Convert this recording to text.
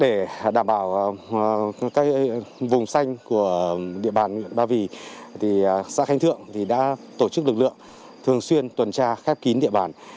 để đảm bảo các vùng xanh của địa bàn huyện ba vì xã khánh thượng đã tổ chức lực lượng thường xuyên tuần tra khép kín địa bàn